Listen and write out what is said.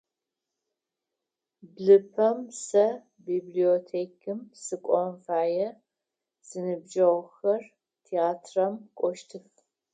Блыпэм сэ библиотекам сыкӏон фае, синыбджэгъухэр театрам кӏощтых.